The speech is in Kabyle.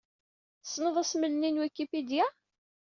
Tessneḍ asmel-nni n Wikipedia?